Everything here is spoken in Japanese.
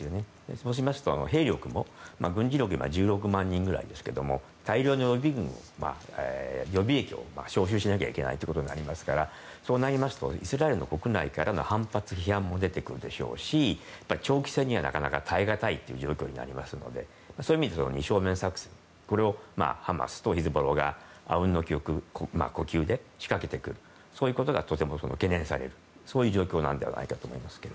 そうしますと兵力も軍事力は１６万人ぐらいですけど大量の予備役を招集しなければいけないことになりますからそうなりますとイスラエル国内からの反発や批判も出てくるでしょうし長期戦には、なかなか耐え難い状況になりますのでそういう意味で二正面作戦をハマスとヒズボラが阿吽の呼吸で仕掛けてくるということが当然、懸念されるというそういう状況なのではないかと思います。